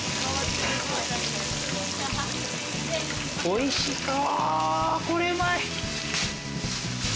おいしそう！